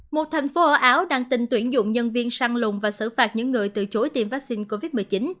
một thành phố ở áo đang tin tuyển dụng nhân viên săn lùng và xử phạt những người từ chối tiêm vaccine covid một mươi chín